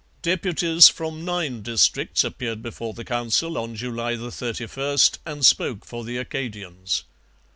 Deputies from nine districts appeared before the Council on July 31 and spoke for the Acadians.